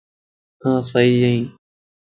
آن سئي ائين